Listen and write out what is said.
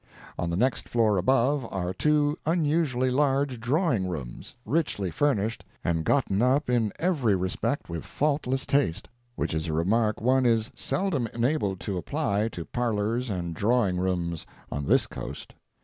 On the next floor above, are two unusually large drawing rooms, richly furnished, and gotten up in every respect with faultless taste which is a remark one is seldom enabled to apply to parlors and drawing rooms on this coast.